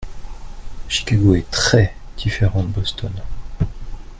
Chicago est très différent de Boston.